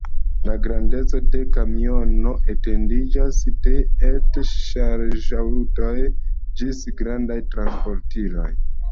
La grandeco de kamiono etendiĝas de et-ŝarĝaŭtoj ĝis grandaj transportiloj.